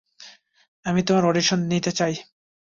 আমি তোমার অডিশন নিতে চাই।